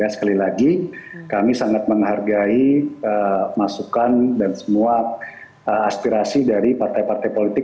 sekali lagi kami sangat menghargai masukan dan semua aspirasi dari partai partai politik